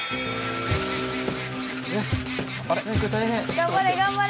頑張れ頑張れ。